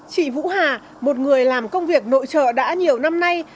chị vũ hà một người làm công việc nội trợ đã nhiều năm nay